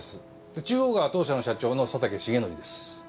中央が当社の社長の佐竹茂徳です。